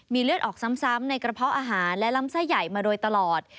เลือดออกซ้ำในกระเพาะอาหารและลำไส้ใหญ่มาโดยตลอด